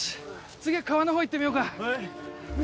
次は川のほう行ってみようかはいよ